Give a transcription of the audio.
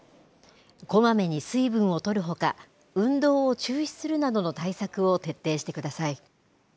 こまめに水分をとるほか、運動を中止するなどの対策を徹底してください。